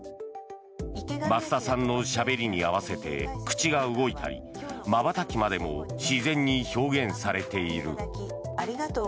増田さんのしゃべりに合わせて口が動いたりまばたきまでも自然に表現されている。